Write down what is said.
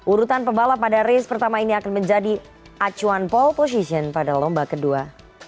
urutan pebalap pada race pertama ini akan menjadi acuan pole position pada lomba kedua